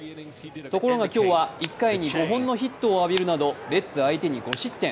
ところが今日は１回に５本のヒットを浴びるなどレッズ相手に５失点。